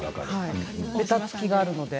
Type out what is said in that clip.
べたつきがあるので。